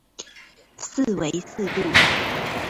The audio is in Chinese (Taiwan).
四維四路